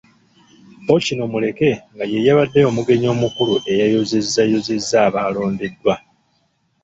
Ppookino Muleke nga ye yabadde omugenyi omukulu ayozaayozezza abaalondeddwa.